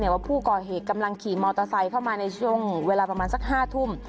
ว่าผู้ก่อเหตุกำลังขี่มอเตอร์ไซค์เข้ามาในช่วงเวลาประมาณสัก๕ทุ่ม